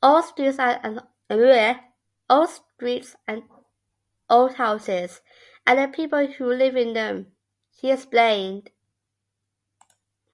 "Old streets and old houses and the people who live in them," he explained.